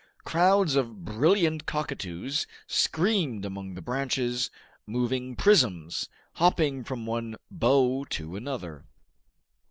Crowds of brilliant cockatoos screamed among the branches, moving prisms, hopping from one bough to another.